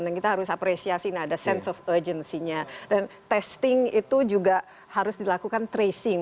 dan kita harus apresiasi ada sense of urgency nya dan testing itu juga harus dilakukan tracing